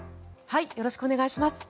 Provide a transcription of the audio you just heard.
よろしくお願いします。